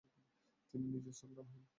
তিনি নিজেই সুলতান হন।